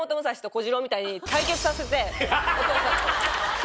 みたいに対決させてお父さんと。